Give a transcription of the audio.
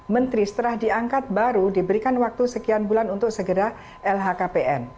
menteri setelah diangkat baru diberikan waktu sekian bulan untuk segera lhkpn